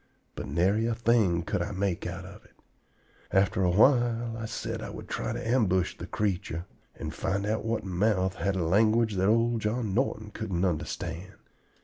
But nary a thing could I make out of it. After awhile I said I would try to ambush the creetur and find out what mouth had a language that old John Norton couldn't understand.